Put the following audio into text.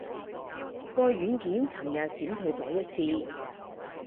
個軟件尋日閃退咗一次